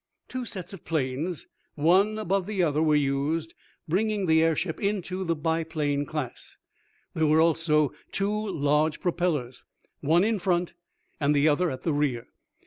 Two sets of planes, one above the other, were used, bringing the airship into the biplane class. There were also two large propellers, one in front and the other at the rear.